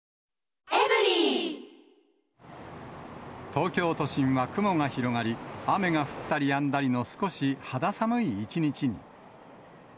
東京都心は雲が広がり、雨が降ったりやんだりの少し肌寒い一日に。